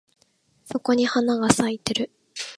そこに花が咲いてる